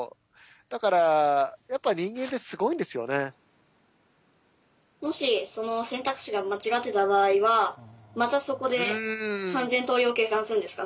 だからもしその選択肢が間違ってた場合はまたそこで３，０００通りを計算するんですか？